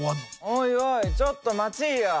おいおいちょっと待ちぃや。